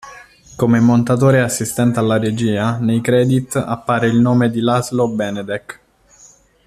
Come montatore e assistente alla regia nei credit appare il nome di László Benedek.